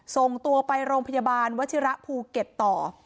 ส่งตัวไปโรงพยาบาลวชิระภูเก็ตต่อ